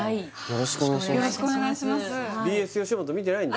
よろしくお願いします